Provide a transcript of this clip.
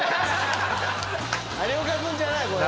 有岡君じゃない。